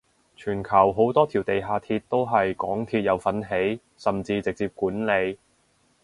全球好多條地下鐵都係港鐵有份起甚至直接管理